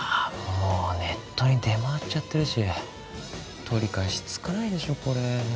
もうネットに出回っちゃってるし取り返しつかないでしょこれ